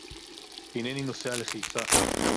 אֵינֶנִּי נוֹסֵעַ לְחֵיפָה.